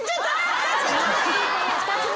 ２つ目！